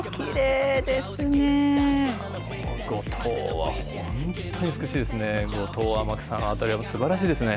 五島は本当に美しいですね。